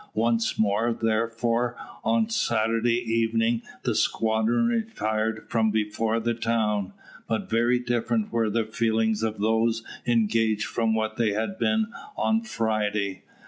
Once more, therefore, on Saturday evening, the squadron retired from before the town; but very different were the feelings of those engaged from what they had been on Friday.